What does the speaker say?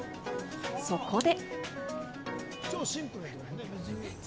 そこで。